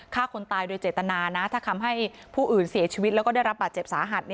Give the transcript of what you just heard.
ฆ่าคนตายโดยเจตนานะถ้าทำให้ผู้อื่นเสียชีวิตแล้วก็ได้รับบาดเจ็บสาหัส